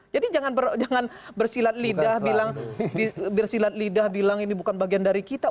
jadi jangan bersilat lidah bilang ini bukan bagian dari kita